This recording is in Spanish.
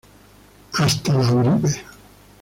Hasta La Uribe.